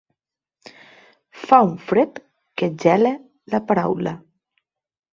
Fer un fred que gela la paraula.